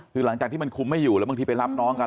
คือหลังจากที่มันคุมไม่อยู่แล้วบางทีไปรับน้องกัน